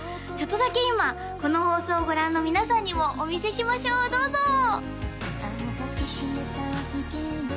ちょっとだけ今この放送をご覧の皆さんにもお見せしましょうどうぞ！